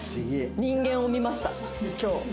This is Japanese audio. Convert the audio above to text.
人間を見ました今日。